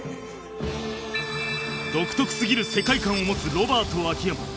独特すぎる世界観を持つロバート秋山